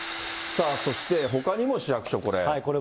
さあ、そしてほかにも、市役所、これ。